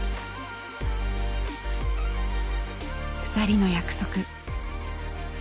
２人の約束。